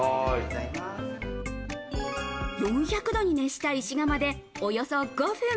４００度に熱した石窯でおよそ５分。